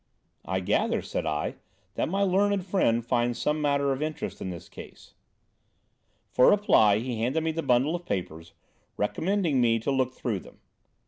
"I gather," said I, "that my learned friend finds some matter of interest in this case." For reply, he handed me the bundle of papers, recommending me to look through them.